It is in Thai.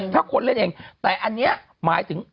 ถ้าคนเล่นเองแต่อันนี้หมายถึง